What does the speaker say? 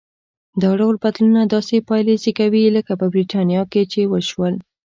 دا ډول بدلونونه داسې پایلې زېږوي لکه په برېټانیا کې چې وشول.